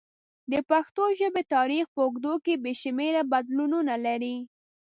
د پښتو ژبې تاریخ په اوږدو کې بې شمېره بدلونونه لري.